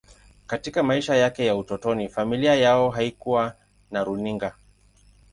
Katika maisha yake ya utotoni, familia yao haikuwa na runinga.